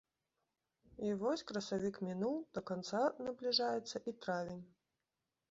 І вось красавік мінуў, да канца набліжаецца і травень.